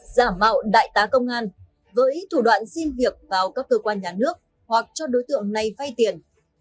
giả mạo đại tá công an với thủ đoạn xin việc vào các cơ quan nhà nước hoặc cho đối tượng này vay tiền